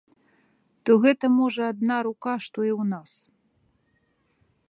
То гэта, можа, адна рука, што і ў нас!